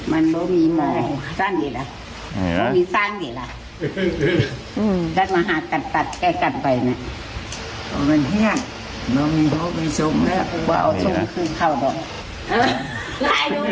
มันบ่อมีซั่งดีแหละมันบ่อมีซั่งดีแหละอืมแล้วมาหาตัดตัดแก่กัดไปน่ะ